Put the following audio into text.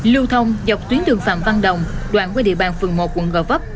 lưu thông dọc tuyến đường phạm văn đồng đoạn qua địa bàn phường một quận gò vấp